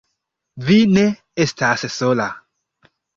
Vi ne estas sola!